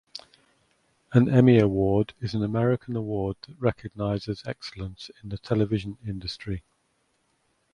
An Emmy Award is an American award that recognizes excellence in the television industry.